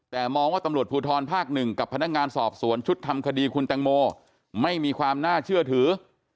แต่มองว่าตำรวจภูทรภาคหนึ่งกับพนักงานสอบสวนชุดทำคดีคุณแตงโมไม่มีความน่าเชื่อถือ